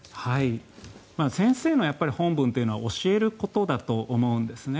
先生の本分というのは教えることだと思うんですね。